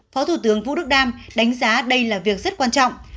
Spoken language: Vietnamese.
phó thủ tướng vũ đức đam đánh giá đây là việc rất quan trọng